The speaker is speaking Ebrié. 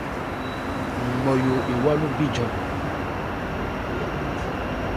Nmɔyo ewá ló bíjan.